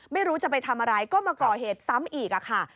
ไม่รู้จะไปทำอะไรก็มาก่อเหตุซ้ำอีกค่ะ